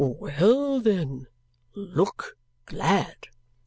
"Well, then! Look glad!"